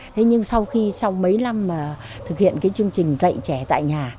thế nhưng sau khi sau mấy năm thực hiện cái chương trình dạy trẻ tại nhà